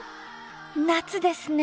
夏ですね。